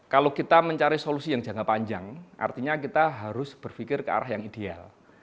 kalau kita mencari solusi yang jangka panjang artinya kita harus berpikir ke arah yang ideal